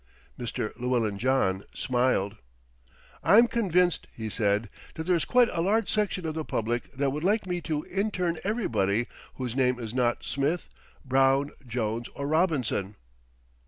Mr. Llewellyn John smiled. "I'm convinced," he said, "that there's quite a large section of the public that would like me to intern everybody whose name is not Smith, Brown, Jones or Robinson."